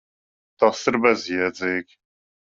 Tas ir bezjēdzīgi.